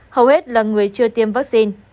hầu hết là người chưa tiêm vaccine